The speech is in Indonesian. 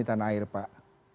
dan air pak